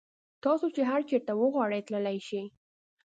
تاسو چې هر چېرته وغواړئ تللی شئ.